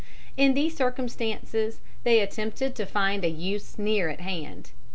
In these circumstances they attempted to find a use near at hand.